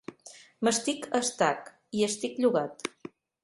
M'estic a Estac, hi estic llogat.